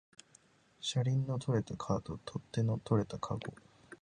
車輪の取れたカート、取っ手の取れたかご